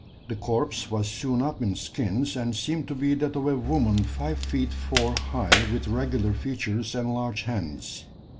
The corpse was sewn up in skins, and seemed to be that of a woman five feet four high, with regular features and large hands.